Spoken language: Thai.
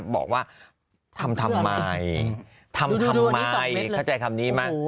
บอกว่าทำทำไมทำทำไมเข้าใจคำนี้ไหม